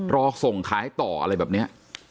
รอส่งขายต่ออะไรแบบนี้